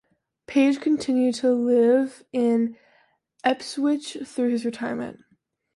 Page continued to live in Ipswich through his retirement.